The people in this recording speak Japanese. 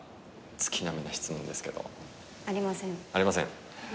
月並みな質問ですけど。ありません。ありません。